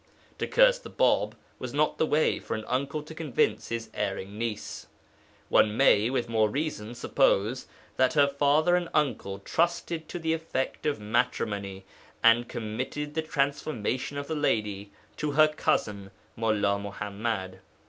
To curse the Bāb was not the way for an uncle to convince his erring niece. One may, with more reason, suppose that her father and uncle trusted to the effect of matrimony, and committed the transformation of the lady to her cousin Mullā Muḥammad.